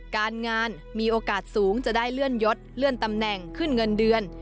การงานมีโอกาสสูงจะได้เลื่อนยศเลื่อนตำแหน่งขึ้นเงินเดือน